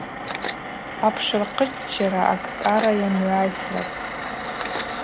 Апшвырхъыччара – акӏкӏара йамгӏвайсрапӏ.